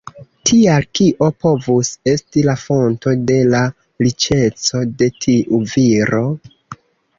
Tial, kio povus esti la fonto de la riĉeco de tiu viro?